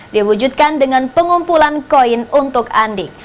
diwujudkan dengan pengumpulan koin untuk andik